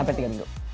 hampir tiga minggu